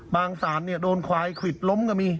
สารเนี่ยโดนควายควิดล้มก็มี